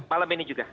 malam ini juga